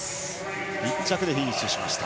１着でフィニッシュしました。